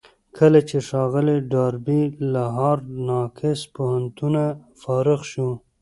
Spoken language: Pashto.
کله چې ښاغلی ډاربي له هارډ ناکس پوهنتونه فارغ شو.